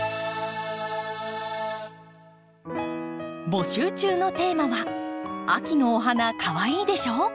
募集中のテーマは「秋のお花かわいいでしょ？」。